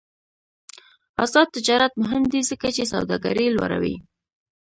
آزاد تجارت مهم دی ځکه چې سوداګري لوړوي.